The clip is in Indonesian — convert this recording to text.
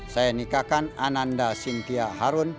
saya nikakan ananda sintia harun